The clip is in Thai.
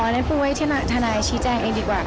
อ๋ออันนี้ปูไว้ที่ทนาชีแจงเองดีกว่า